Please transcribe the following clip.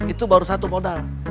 itu baru satu modal